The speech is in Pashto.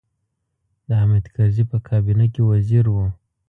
د حامد کرزي په کابینه کې وزیر و.